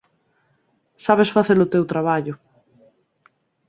Sabes facer o teu traballo.